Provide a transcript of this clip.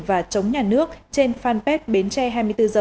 và chống nhà nước trên fanpage bến tre hai mươi bốn h